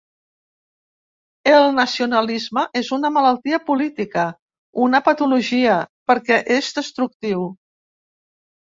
El nacionalisme és una malaltia política, una patologia, perquè és destructiu.